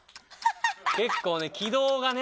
結構ね軌道がね。